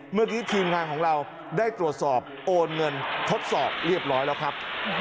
เมื่อกี้ทีมงานของเราได้ตรวจสอบโอนเงินทดสอบเรียบร้อยแล้วครับ